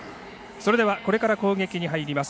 それではこれから攻撃に入ります